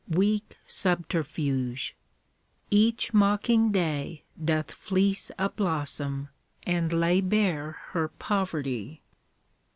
Weak subterfuge! Each mocking day doth fleece A blossom, and lay bare her poverty.